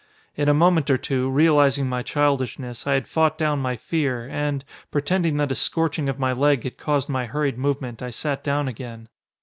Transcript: In a moment or two, realizing my childishness, I had fought down my fear and, pretending that a scorching of my leg had caused my hurried movement, I sat down again.